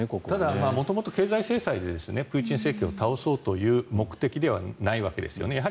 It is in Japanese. ただ、元々経済制裁でプーチン政権を倒そうという目的ではないわけですね。